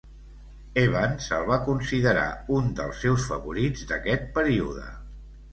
Evans el va considerar un dels seus favorits d'aquest període.